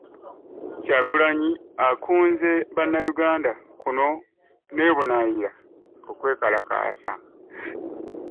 Kyagulanyi akunze Bannayuganda kuno n'ebunaayira okwekalakaasa